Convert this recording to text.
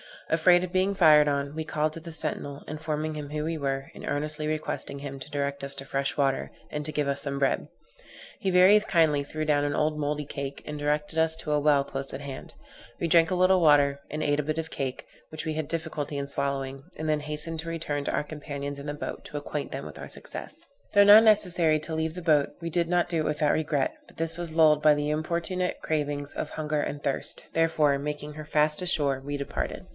Afraid of being fired on, we called to the sentinel, informing him who we were, and earnestly requesting him to direct us to fresh water, and to give us some bread. He very kindly threw down an old mouldy cake, and directed us to a well close at hand. We drank a little water, and ate a bit of the cake, which we had difficulty in swallowing, and then hastened to return to our companions in the boat, to acquaint them with our success. Though now necessary to leave the boat, we did not do it without regret; but this was lulled by the importunate cravings of hunger and thirst; therefore, making her fast ashore, we departed.